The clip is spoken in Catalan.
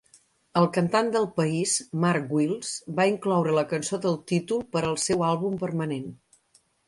El cantant del país Mark Wills va incloure la cançó del títol per al seu àlbum permanent.